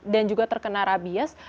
dan juga terkena rabies